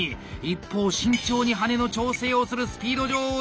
一方慎重に羽根の調整をする「スピード女王」